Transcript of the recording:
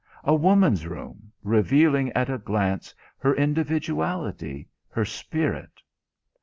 A woman's room, revealing at a glance her individuality, her spirit.